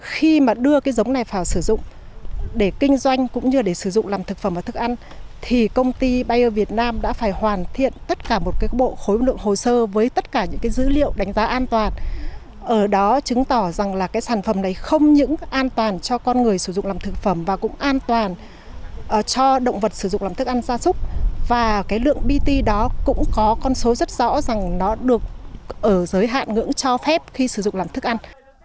khi mà đưa cái giống này vào sử dụng để kinh doanh cũng như để sử dụng làm thực phẩm và thức ăn thì công ty bio việt nam đã phải hoàn thiện tất cả một cái bộ khối lượng hồ sơ với tất cả những cái dữ liệu đánh giá an toàn ở đó chứng tỏ rằng là cái sản phẩm này không những an toàn cho con người sử dụng làm thực phẩm và cũng an toàn cho động vật sử dụng làm thức ăn gia súc và cái lượng bt đó cũng có con số rất rõ rằng nó được ở giới hạn ngưỡng cho phép khi sử dụng làm thức ăn